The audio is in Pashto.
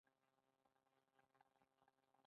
بادام د افغانستان د طبیعت د ښکلا برخه ده.